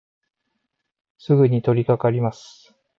すぐにとりかかります。